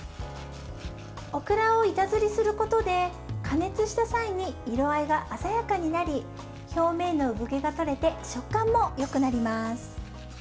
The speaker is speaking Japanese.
オクラを板ずりすることで加熱した際に色合いが鮮やかになり表面の産毛が取れて食感もよくなります。